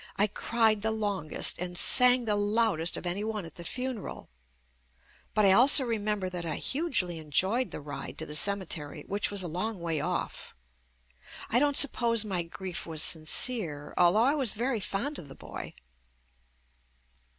I cried the longest and sang the loudest of any one at the funeral, but I also remember that I hugely enjoyed the ride to the cemetery which was a long way off. I don't suppose my grief was sincere, al though I was very fond of the boy.